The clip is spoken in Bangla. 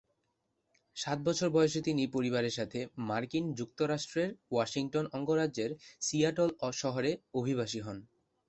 সাত বছর বয়সে তিনি পরিবারের সাথে মার্কিন যুক্তরাষ্ট্রের ওয়াশিংটন অঙ্গরাজ্যের সিয়াটল শহরে অভিবাসী হন।